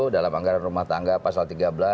dalam anggaran rumah tangga pasal tiga belas